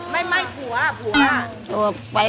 ไม่หัวผัว